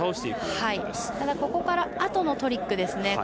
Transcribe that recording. ただ、ここからあとのトリックですね。